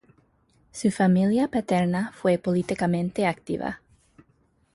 Su familia paterna fue políticamente activa.